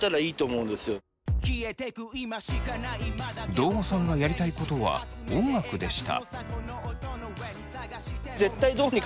堂後さんがやりたいことは音楽でした。